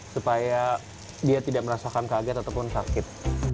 supaya dia tidak merasakan kaget ataupun sakit